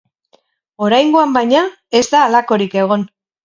Oraingoan, baina, ez da halakorik egon.